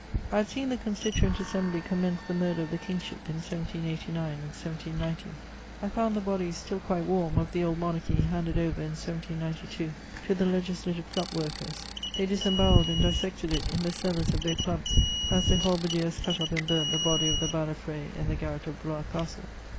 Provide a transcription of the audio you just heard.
I had seen the Constituent Assembly commence the murder of the kingship in 1789 and 1790; I found the body, still quite warm, of the old monarchy handed over in 1792 to the legislative gut workers: they disembowelled and dissected it in the cellars of their clubs, as the halberdiers cut up and burnt the body of the Balafré in the garret of Blois Castle.